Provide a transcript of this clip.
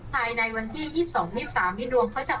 ภายในวันที่ยี่สองยี่สามที่ดวงเขาจะอ่อนสุดนะคะ